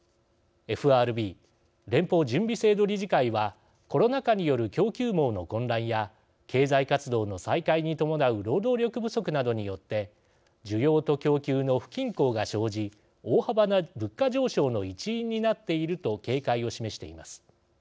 ＦＲＢ＝連邦準備制度理事会はコロナ禍による供給網の混乱や経済活動の再開に伴う労働力不足などによって「需要と供給の不均衡が生じ大幅な物価上昇の一因になっている」と警戒を示しています。